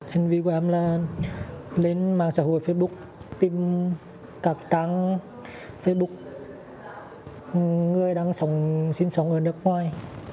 hành vi của em là lên mạng xã hội facebook tìm các trang facebook người đang sinh sống ở nước ngoài